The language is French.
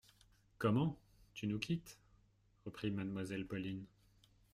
Comment ! tu nous quittes ? reprit Mademoiselle Pauline.